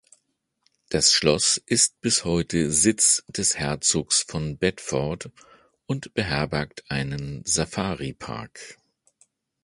Das Schloss ist bis heute Sitz des Herzogs von Bedford und beherbergt einen Safari-Park.